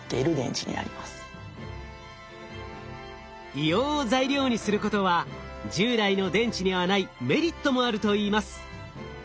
硫黄を材料にすることは従来の電池にはないメリットもあるといいます。